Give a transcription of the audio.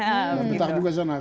ya betah juga di sana